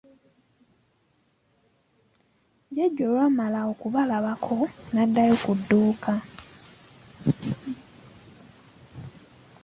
Jjjajja olwamala okubalabako, n'addayo ku dduuka.